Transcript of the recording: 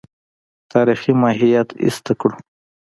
تاریخي ماهیت ایسته کړو.